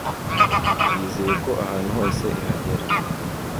yizeye ko ahantu hose ihagera